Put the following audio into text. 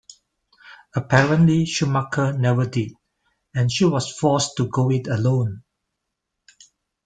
Apparently Schumacher never did, and she was forced to go it alone.